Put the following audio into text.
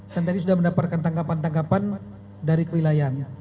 dan tadi sudah mendapatkan tanggapan tanggapan dari kewilayahannya